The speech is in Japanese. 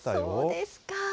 そうですか。